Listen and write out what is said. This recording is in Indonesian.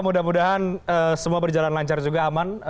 mudah mudahan semua berjalan lancar juga aman